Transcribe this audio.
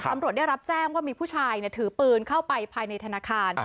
ตำรวจได้รับแจ้งว่ามีผู้ชายถือปืนเข้าไปภายในธนาคาร